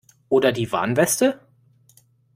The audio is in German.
Oder die Warnweste?